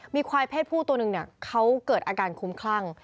มีควายเพศผู้ตัวหนึ่งเขาเกิดอาการคุ้มคลั่ง